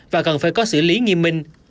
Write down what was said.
và cần phải có xử lý nghiêm minh